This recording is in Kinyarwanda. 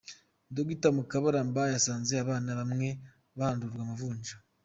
Dr Mukabaramba yasanze abana bamwe bahandurwa amavunja.